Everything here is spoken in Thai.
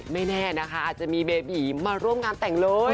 ไม่แน่นะคะอาจจะมีเบบีมาร่วมงานแต่งเลย